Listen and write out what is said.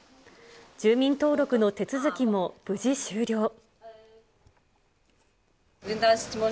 住民登録の手続きも無事終了。